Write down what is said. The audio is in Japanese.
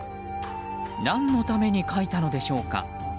何のために描いたのでしょうか。